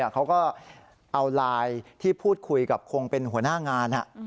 เขาก็เอาไลน์ที่พูดคุยกับคงเป็นหัวหน้างาน